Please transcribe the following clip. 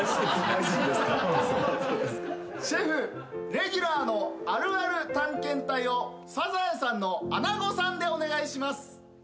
レギュラーの「あるある探検隊」を『サザエさん』のアナゴさんでお願いします。